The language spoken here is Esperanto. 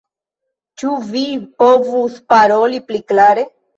Ĉu vi povus paroli pli klare?